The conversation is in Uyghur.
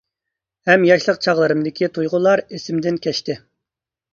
ھەم ياشلىق چاغلىرىمدىكى تۇيغۇلار ئىسىمدىن كەچتى.